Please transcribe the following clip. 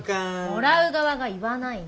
もらう側が言わないの。